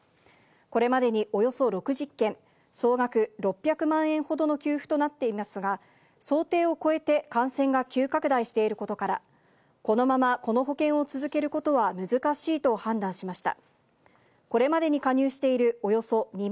これまでにおよそ６０件、総額６００万円ほどの給付となっていますが、想定を超えて感染が急拡大していることから、このままこの保険を続けることは難しいと判断しました。